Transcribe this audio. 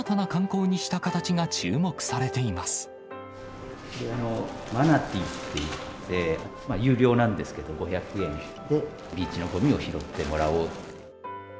こちら、マナティっていって、有料なんですけど、５００円でビーチのごみを拾ってもらおう。